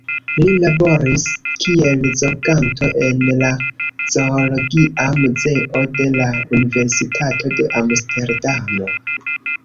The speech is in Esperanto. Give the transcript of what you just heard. Li laboris kiel zorganto en la zoologia muzeo de la Universitato de Amsterdamo.